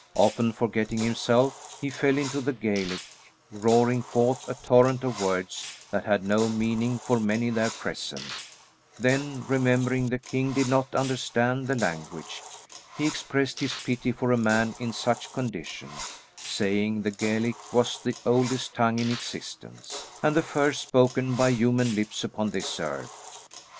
Often forgetting himself, he fell into the Gaelic, roaring forth a torrent of words that had no meaning for many there present, then remembering the king did not understand the language, he expressed his pity for a man in such condition, saying the Gaelic was the oldest tongue in existence, and the first spoken by human lips upon this earth.